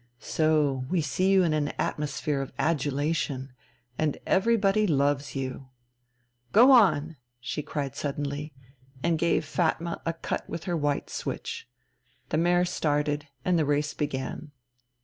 So we see you in an atmosphere of adulation, and everybody loves you ... go on!" she cried suddenly, and gave Fatma a cut with her white switch. The mare started, and the race began.